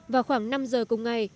vào khoảng năm giờ cùng ngày